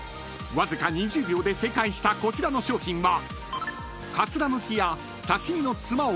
［わずか２０秒で正解したこちらの商品は］